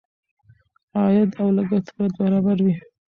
عاید او لګښت باید برابر وي.